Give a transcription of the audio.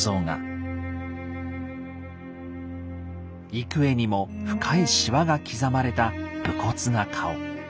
幾重にも深いしわが刻まれた武骨な顔。